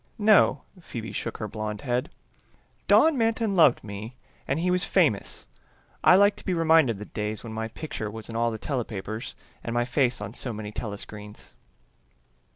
"No," Phoebe shook her blonde head. "Don Manton loved me and he was famous. I like to be reminded of the days when my picture was in all the telepapers and my face on so many telescreens."